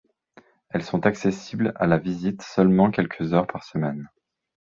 Elles sont accessibles à la visite seulement quelques heures par semaine.